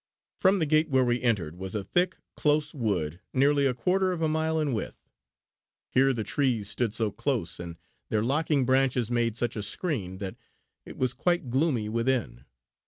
From the gate where we entered was a thick, close wood nearly a quarter of a mile in width. Here the trees stood so close, and their locking branches made such a screen, that it was quite gloomy within.